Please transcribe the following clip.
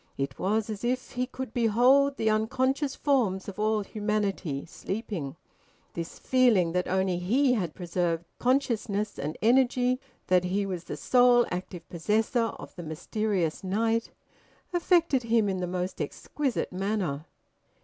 It was as if he could behold the unconscious forms of all humanity, sleeping. This feeling that only he had preserved consciousness and energy, that he was the sole active possessor of the mysterious night, affected him in the most exquisite manner.